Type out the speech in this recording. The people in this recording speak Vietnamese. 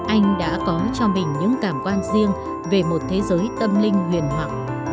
anh đã có cho mình những cảm quan riêng về một thế giới tâm linh huyền mặc